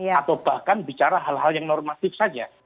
atau bahkan bicara hal hal yang normatif saja